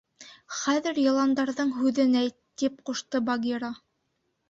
— Хәҙер Йыландарҙың һүҙен әйт, — тип ҡушты Багира.